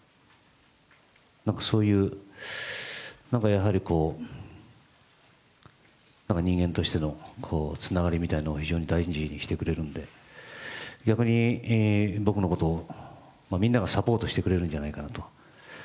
そういう人間としてのつながりみたいのを非常に大事にしてくれるので逆に僕のことを、みんながサポートしてくれるんじゃないかと。